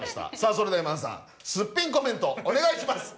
それでは今田さんすっぴんコメントお願いします。